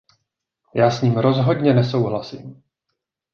Já s ním rozhodně nesouhlasím.